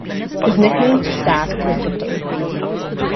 His nickname to staff was "the Pope".